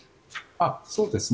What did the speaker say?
そうですね。